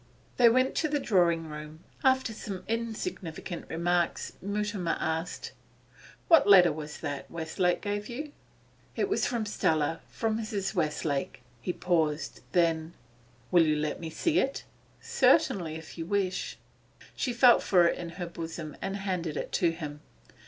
They went to the drawing room. After some insignificant remarks Mutimer asked: 'What letter was that Westlake gave you?' 'It was from Stella from Mrs. Westlake.' He paused. Then: 'Will you let me see it?' 'Certainly, if you wish.' She felt for it in her bosom and handed it to him.